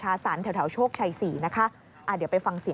ก็ไม่มีคนตามนะช่วงนี้ให้ระวังตัวอย่างดี